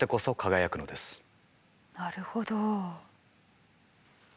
なるほど。